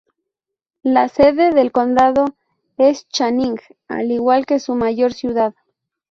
La sede del condado es Channing, al igual que su mayor ciudad.